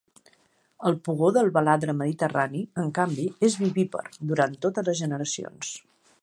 El pugó del baladre mediterrani, en canvi, és vivípar durant totes les generacions.